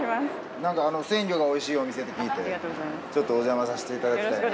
なんか鮮魚が美味しいお店って聞いてちょっとおじゃまさせていただきたいなと。